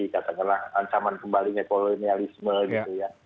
kata kata ancaman kembalinya kolonialisme gitu ya